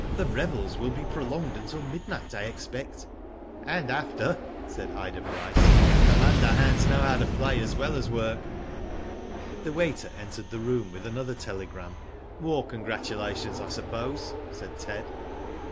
^' The revels will be prolonged until midnight, I expect." ''And after,'^ said Ida Bryce. "The Munda hands know how to play as well as work." The waiter entered the room with another tele graiji. T 2 Digitized byGoogk 276 WHO DID IT? " More congratulations, I suppose," said Ted.